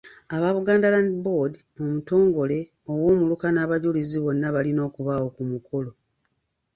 Aba Buganda Land Board, omutongole, ow’omuluka n’abajulizi bonna balina okubaawo ku mukolo.